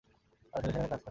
তাঁর ছেলে সেখানে কাজ করে।